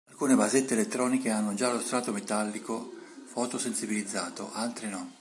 Alcune basette elettroniche hanno già lo strato metallico foto-sensibilizzato, altre no.